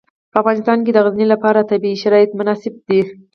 په افغانستان کې د غزني لپاره طبیعي شرایط مناسب دي.